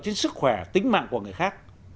trên sức khỏe tính mạng của người khác